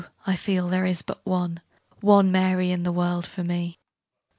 I feel there is but one, One Mary in the world for me.